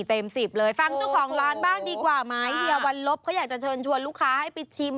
เต็มสิบเลยฟังเจ้าของร้านบ้างดีกว่าไหมเฮียวันลบเขาอยากจะเชิญชวนลูกค้าให้ไปชิม